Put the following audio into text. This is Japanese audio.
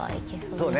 そうね。